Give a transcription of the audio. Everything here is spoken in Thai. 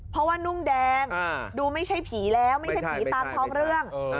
เพราะว่านุ่งแดงดูไม่ใช่ผีแล้วไม่ใช่ผีตามท้องเรื่อง